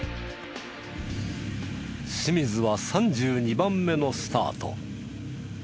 清水は３２番目のスタート。